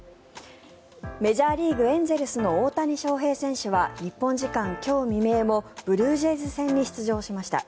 メジャーリーグ、エンゼルスの大谷翔平選手は日本時間今日未明もブルージェイズ戦に出場しました。